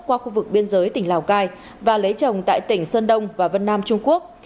qua khu vực biên giới tỉnh lào cai và lấy chồng tại tỉnh sơn đông và vân nam trung quốc